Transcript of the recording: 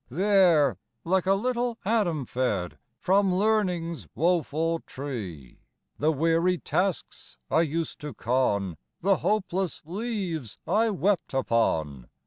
There like a little Adam fed From Learning's woeful tree! The weary tasks I used to con! The hopeless leaves I wept upon!